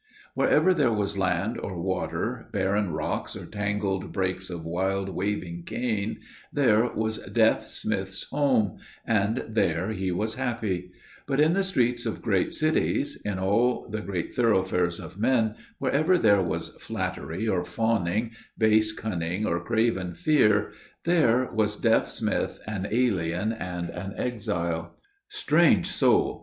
Wherever there was land or water, barren rocks or tangled brakes of wild, waving cane, there was Deaf Smith's home, and there he was happy; but in the streets of great cities, in all the great thoroughfares of men, wherever there was flattery or fawning, base cunning or craven fear, there was Deaf Smith an alien and an exile. Strange soul!